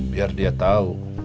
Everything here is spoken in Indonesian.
biar dia tahu